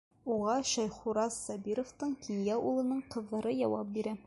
Уға Шәйхураз Сабировтың кинйә улының ҡыҙҙары яуап бирә.